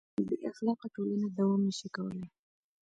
بېاخلاقه ټولنه دوام نهشي کولی.